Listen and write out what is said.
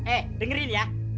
eh dengerin ya